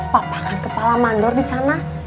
papa kan kepala mandor disana